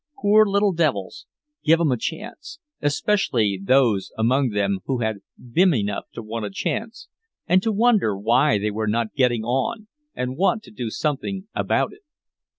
Poor little devils, give 'em a chance, especially those among them who had "bim" enough to want a chance, to wonder why they were not getting on and want to do something about it.